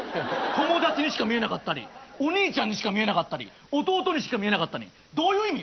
友達にしか見えなかったりお兄ちゃんにしか見えなかったり弟にしか見えなかったりどういう意味？